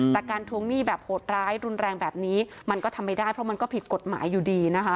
แต่การทวงหนี้แบบโหดร้ายรุนแรงแบบนี้มันก็ทำไม่ได้เพราะมันก็ผิดกฎหมายอยู่ดีนะคะ